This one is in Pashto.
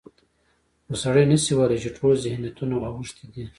خو سړی نشي ویلی چې ټول ذهنیتونه اوښتي دي.